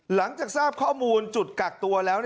หลังจากทราบข้อมูลจุดกักตัวแล้ว